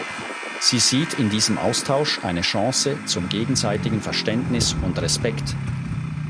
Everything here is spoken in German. Sie sieht in diesem Austausch eine Chance zum gegenseitigen Verständnis und Respekt.